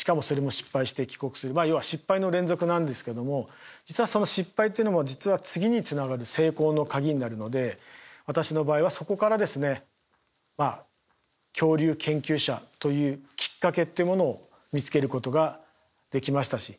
まあ要は失敗の連続なんですけども実はその失敗というのも実は次につながる成功の鍵になるので私の場合はそこからですね恐竜研究者というきっかけっていうものを見つけることができましたし。